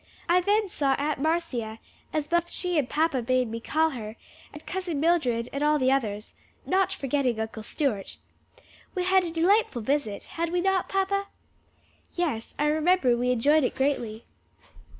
I then saw Aunt Marcia, as both she and papa bade me call her, and Cousin Mildred and all the others, not forgetting Uncle Stewart. We had a delightful visit, had we not, papa?" "Yes, I remember we enjoyed it greatly."